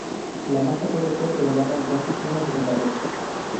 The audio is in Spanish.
La masa puede ser elevada entonces una segunda vez.